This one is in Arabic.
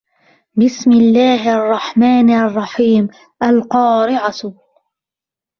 بِسْمِ اللَّهِ الرَّحْمَنِ الرَّحِيمِ الْقَارِعَةُ